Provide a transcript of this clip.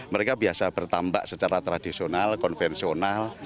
mereka biasa bertambah secara tradisional konvensional